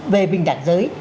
về bình đẳng giới